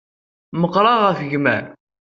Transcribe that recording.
Meqqṛeɣ ɣef gma-m.